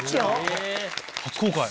初公開？